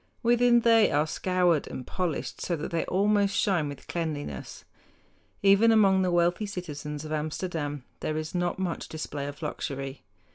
Within they are scoured and polished so that they almost shine with cleanliness. Even among the wealthy citizens of Amsterdam there is not much display of luxury.